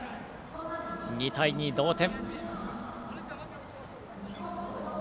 ２対２、同点。